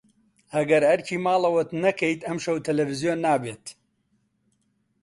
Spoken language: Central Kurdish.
ئەگەر ئەرکی ماڵەوەت نەکەیت، ئەمشەو تەلەڤیزیۆن نابێت.